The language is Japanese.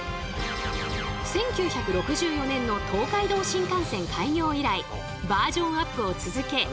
１９６４年の東海道新幹線開業以来バージョンアップを続け